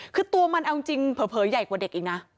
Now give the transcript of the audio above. คือตัวมันเอาจริงเผลอใหญ่กว่าเด็กอีกนะ